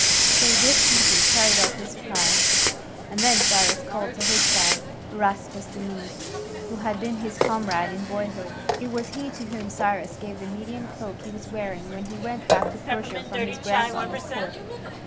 So this suitor carried off his prize. And then Cyrus called to his side Araspas the Mede, who had been his comrade in boyhood. It was he to whom Cyrus gave the Median cloak he was wearing when he went back to Persia from his grandfather's court.